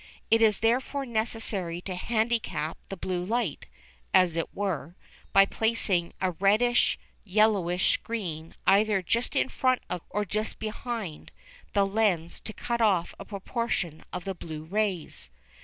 It is therefore necessary to handicap the blue light, as it were, by placing a "reddish yellowish" screen either just in front of, or just behind, the lens to cut off a proportion of the blue rays.